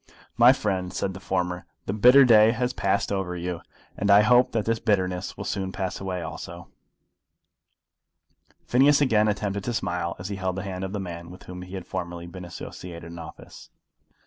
"My friend," said the former, "the bitter day has passed over you, and I hope that the bitterness will soon pass away also." Phineas again attempted to smile as he held the hand of the man with whom he had formerly been associated in office.